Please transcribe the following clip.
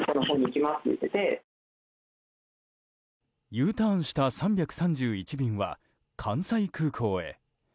Ｕターンした３３１便は関西空港へ。